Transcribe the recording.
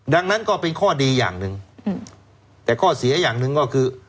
ดังนั้นก็เป็นข้อดีอย่างหนึ่งแต่ข้อเสียอย่างหนึ่งก็คือ